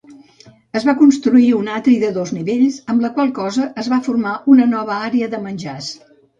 Es va construir un atri de dos nivells, amb la qual cosa es va formar una nova àrea de menjars.